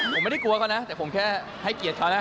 ผมไม่ได้กลัวเขานะแต่ผมแค่ให้เกียรติเขานะ